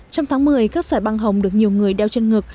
trong tháng một mươi các xe băng hồng được nhiều người đeo chân ngực